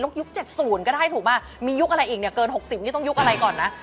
ยุค๗๐ก็ได้ถูกป่ะมียุคอะไรอีกเนี่ยเกิน๖๐นี่ต้องยุคอะไรก่อนนะ